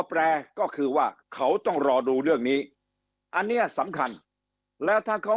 แปลก็คือว่าเขาต้องรอดูเรื่องนี้อันนี้สำคัญแล้วถ้าเขา